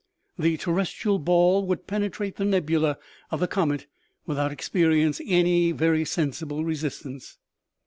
The terrestrial ball would penetrate the nebula of the comet without experiencing any very sensible resistance.